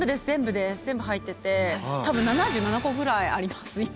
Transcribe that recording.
全部入ってて多分７７個ぐらいあります